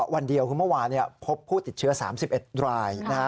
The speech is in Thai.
วันเดียวคือเมื่อวานพบผู้ติดเชื้อ๓๑ราย